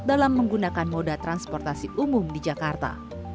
dalam menggunakan moda transportasi umum di jakarta